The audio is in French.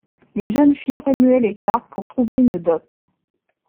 Les jeunes filles remuaient les cartes pour trouver une dot.